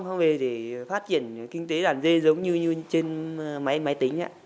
thông về để phát triển kinh tế đàn dê giống như trên máy tính ấy